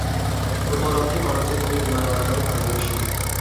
উপলব্ধি করো যে, তুমি বিমান ওড়ানোয় পারদর্শী।